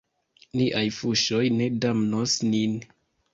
Niaj fuŝoj ne damnos nin.